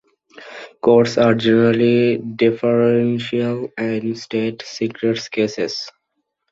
Courts are generally deferential in state secrets cases.